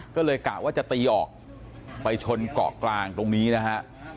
ก็เลยกะว่าจะตีออกไปชนเกาะกลางตรงนี้นะฮะ